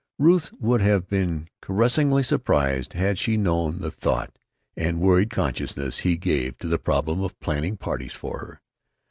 Ruth would have been caressingly surprised had she known the thought and worried conscientiousness he gave to the problem of planning "parties" for her.